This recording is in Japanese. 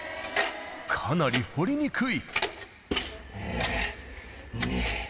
かなり掘りにくい。